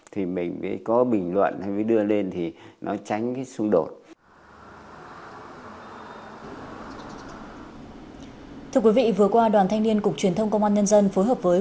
thì mình có bình luận hay đưa lên thì nó tránh cái xung đột